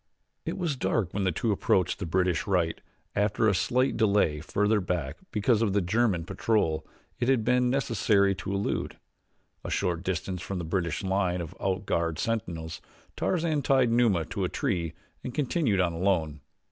It was dark when the two approached the British right, after a slight delay farther back because of a German patrol it had been necessary to elude. A short distance from the British line of out guard sentinels Tarzan tied Numa to a tree and continued on alone.